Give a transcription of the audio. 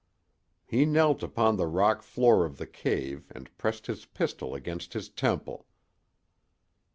"He knelt upon the rock floor of the cave and pressed his pistol against his temple.